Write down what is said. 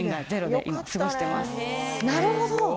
なるほど！